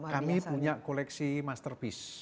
kami punya koleksi masterpiece